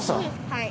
はい。